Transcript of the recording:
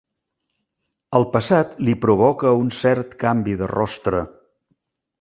El passat li provoca un cert canvi de rostre.